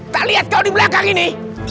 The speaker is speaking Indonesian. tak lihat kau di belakang ini